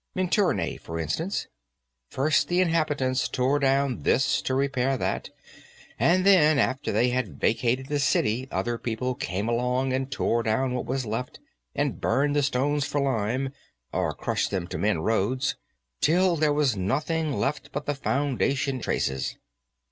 "Minturnae, for instance? First the inhabitants tore down this to repair that, and then, after they had vacated the city, other people came along and tore down what was left, and burned the stones for lime, or crushed them to mend roads, till there was nothing left but the foundation traces.